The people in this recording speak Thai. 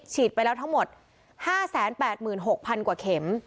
ไปแล้วทั้งหมด๕๘๖๐๐๐กว่าเข็ม